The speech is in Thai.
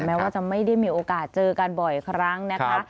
แม้ว่าจะไม่ได้มีโอกาสเจอกันบ่อยครั้งนะคะ